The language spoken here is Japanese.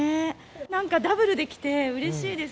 なんかダブルできて、うれしいです。